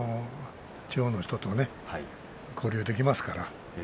地方の人と交流ができますからね。